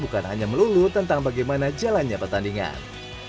bukan hanya melulu tentang bagaimana jalannya pertandingan